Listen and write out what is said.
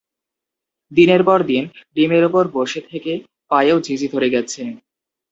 দিনের পর দিন ডিমের ওপর বসে থেকে পায়েও ঝিঁঝি ধরে গেছে।